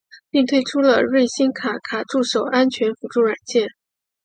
并推出了瑞星卡卡助手安全辅助软件。